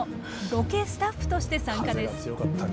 ロケスタッフとして参加です。